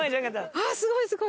ああすごいすごい！